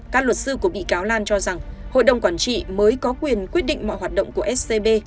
các luật sư của bị cáo lan cho rằng hội đồng quản trị mới có quyền quyết định mọi hoạt động của scb